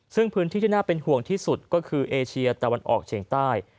ซึ่งพื้นที่ที่น่าเป็นห่วงที่สุดก็คือเอเชียตะวันออกเฉียงใต้